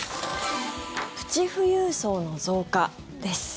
プチ富裕層の増加です。